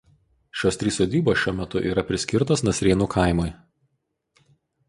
Šios trys sodybos šiuo metu yra priskirtos Nasrėnų kaimui.